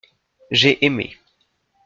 J’ai aimé.